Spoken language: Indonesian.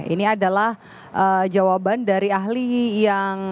ini adalah jawaban dari ahli yang